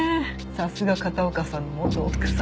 さすが片岡さんの元奥さん。